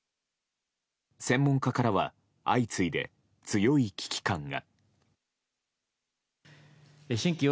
専門家からは相次いで強い危機感が。